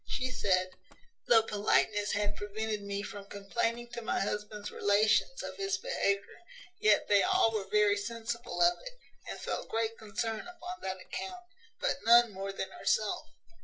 She said, `Though politeness had prevented me from complaining to my husband's relations of his behaviour, yet they all were very sensible of it, and felt great concern upon that account; but none more than herself.'